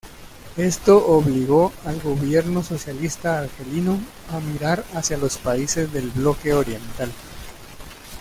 Esto obligó al gobierno socialista argelino a mirar hacia los países del bloque oriental.